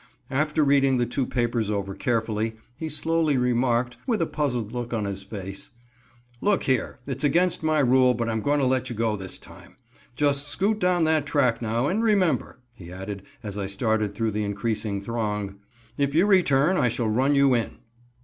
After reading the two papers over carefully, he slowly remarked, with a puzzled look on his face: "Look here! it's against my rule, but I'm going to let you go this time. Just scoot down that track, now, and remember," he added, as I started through the increasing throng, "if you return I shall run you in."